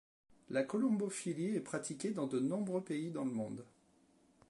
La colombophilie est pratiquée dans de nombreux pays du monde.